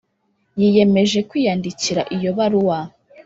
yiyemeje kwiyandikira iyo baruwa